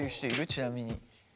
ちなみに。